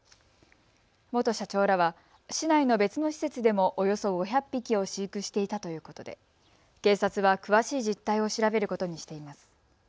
元社長らは市内の別の施設でもおよそ５００匹を飼育していたということで警察は詳しい実態を調べることにしています。